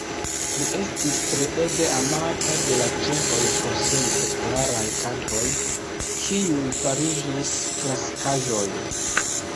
Li estis treege amata de la ĉeĥoj pro siaj popularaj kantoj, kiuj fariĝis klasikaĵoj.